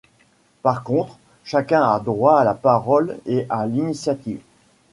Par contre, chacun a droit à la parole et à l’initiative.